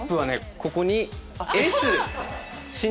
ここにＳ。